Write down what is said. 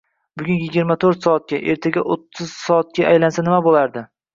Bugun yigirma to'rt soatda, ertaga o'ttiz soatda aylansa nima bo’lardi?